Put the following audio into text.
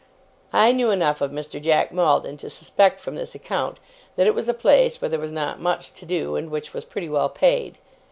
I knew enough of Mr. Jack Maldon to suspect from this account that it was a place where there was not much to do, and which was pretty well paid.